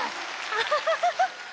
アハハハッ！